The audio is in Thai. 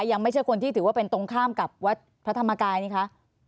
ยังไม่ใช่คนที่ถือว่าเป็นตรงข้ามกับวัดพระธรรมกายนี่คะ